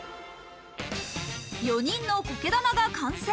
４人の苔玉が完成。